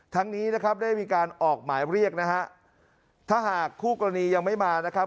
นี้นะครับได้มีการออกหมายเรียกนะฮะถ้าหากคู่กรณียังไม่มานะครับ